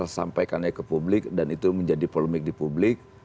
sampaikannya ke publik dan itu menjadi polemik di publik